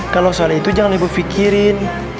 kalau soal itu jangan ibu fikirin